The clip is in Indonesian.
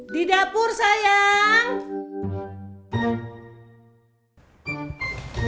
di dapur sayang